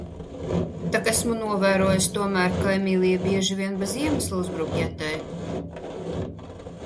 Tak esmu novērojis tomēr ka Emīlija bieži vien bez iemesla uzbrūk Jetai.